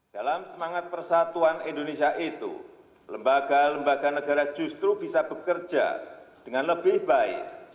dalam semangat persatuan indonesia itu lembaga lembaga negara justru bisa bekerja dengan lebih baik